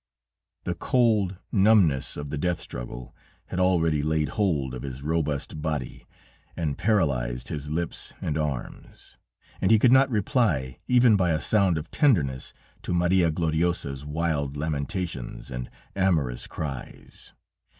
"The cold numbness of the death struggle had already laid hold of his robust body and paralyzed his lips and arms, and he could not reply even by a sound of tenderness to Maria Gloriosa's wild lamentations and amorous cries.